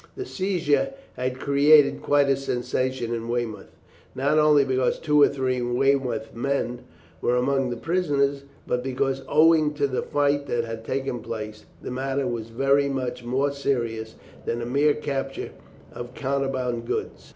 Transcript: The seizure had created quite a sensation in Weymouth, not only because two or three Weymouth men were among the prisoners, but because, owing to the fight that had taken place, the matter was very much more serious than a mere capture of contraband goods.